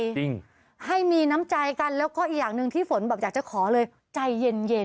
จริงให้มีน้ำใจกันแล้วก็อีกอย่างหนึ่งที่ฝนแบบอยากจะขอเลยใจเย็นเย็น